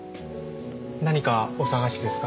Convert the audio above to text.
何かお探しですか？